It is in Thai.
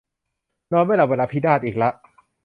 นอนไม่หลับ เวลาพินาศอีกละ